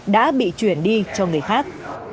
đã bị chuyển đi cho người khác